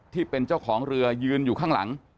ที่เป็นเจ้าของเรือยืนอยู่ข้างหลัง